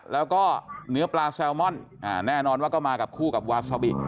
แล้วก็เนื้อปลาแซลมอนแน่นอนว่าก็มากับคู่กับวาซาบิ